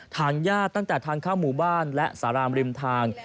ทางญาติตั้งแต่ทางเข้าหมู่บ้านและสารามริมทาง